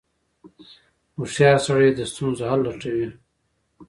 • هوښیار سړی د ستونزو حل لټوي.